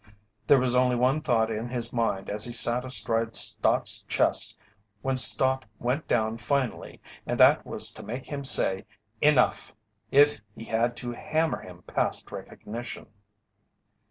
There was only one thought in his mind as he sat astride Stott's chest when Stott went down finally, and that was to make him say "Enough!" if he had to hammer him past recognition.